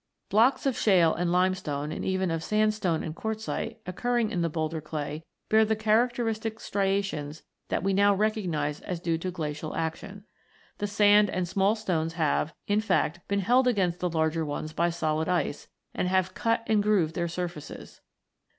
Blocks of shale and limestone, and even of sand stone and quartzite, occurring in the boulder clay, bear the characteristic striations that we now recognise as due to glacial action. The sand and small stones have, in fact, been held against the larger ones by solid ice, and have cut and grooved their surfaces.